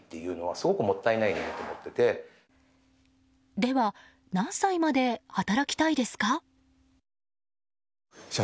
では、何歳まで働きたいですか？